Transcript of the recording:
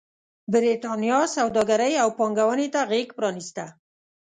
برېټانیا سوداګرۍ او پانګونې ته غېږ پرانېسته.